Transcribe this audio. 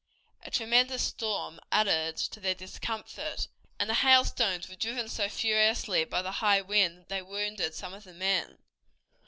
A tremendous storm added to their discomfort, and the hailstones were driven so furiously by the high wind that they wounded some of the men.